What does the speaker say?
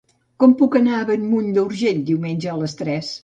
Com puc anar a Bellmunt d'Urgell diumenge a les tres?